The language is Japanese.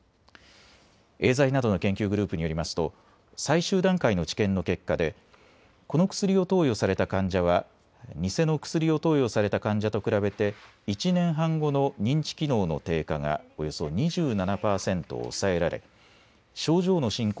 エーザイなどの研究グループによりますと最終段階の治験の結果でこの薬を投与された患者は偽の薬を投与された患者と比べて１年半後の認知機能の低下がおよそ２７％抑えられ症状の進行